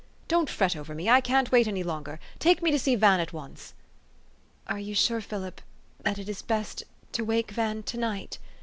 " Don't fret over me. I can't wait any longer. Take me to see Van at once." " Are you sure, Philip, that it is best to wake Van to night?